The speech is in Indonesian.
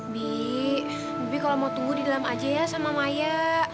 bibi kalau mau tunggu di dalam aja ya sama maya